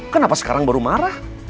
kenapa sekarang baru marah